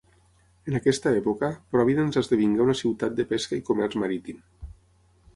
En aquesta època, Providence esdevingué una ciutat de pesca i comerç marítim.